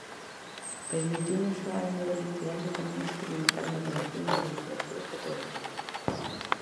Permitiunos xogar a nivel literario e tamén experimentar na relación entre literatura e fotografía.